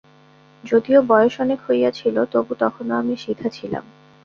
যদিও বয়স অনেক হইয়াছিল তবু তখনো আমি সিধা ছিলাম।